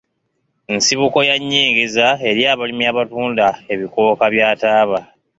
Nsibuko ya nyingiza eri abalimi abatunda ebikooka bya taaba.